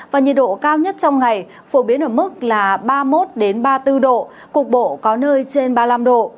và nhiệt độ cao nhất trong ngày phổ biến ở mức là ba mươi một ba mươi bốn độ cục bộ có nơi trên ba mươi năm độ